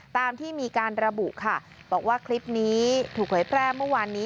ตามที่มีการระบุค่ะบอกว่าคลิปนี้ถูกเผยแพร่เมื่อวานนี้